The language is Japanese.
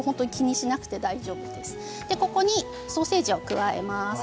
ここにソーセージを加えます。